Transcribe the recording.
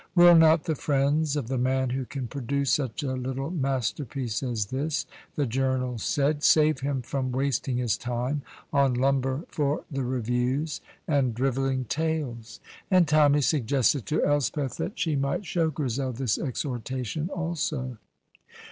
"Will not the friends of the man who can produce such a little masterpiece as this," the journals said, "save him from wasting his time on lumber for the reviews, and drivelling tales?" And Tommy suggested to Elspeth that she might show Grizel this exhortation also.